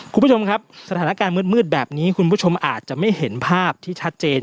คุณผู้ชมครับสถานการณ์มืดแบบนี้คุณผู้ชมอาจจะไม่เห็นภาพที่ชัดเจน